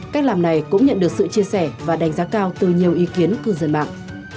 cách làm này cũng nhận được sự chia sẻ và đánh giá cao từ nhiều ý kiến cư dân mạng